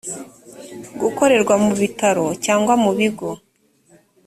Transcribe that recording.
gukorerwa mu bitaro cyangwa mu bigo